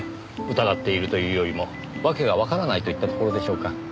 疑っているというよりも訳がわからないといったところでしょうか。